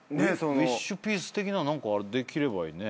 「ウィッシュピース」的な何かできればいいね。